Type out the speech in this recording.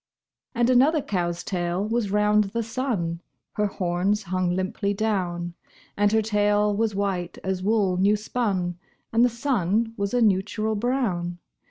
And another cow's tail was round the sun (Her horns hung limply down); And her tail was white as wool new spun, And the sun was a neutral brown.